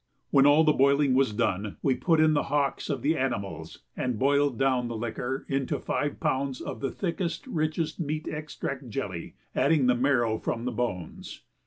When all the boiling was done we put in the hocks of the animals and boiled down the liquor into five pounds of the thickest, richest meat extract jelly, adding the marrow from the bones.